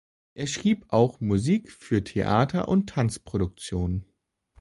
Er schrieb auch Musik für Theater- und Tanz-Produktionen.